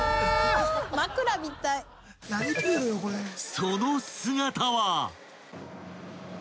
［その姿は］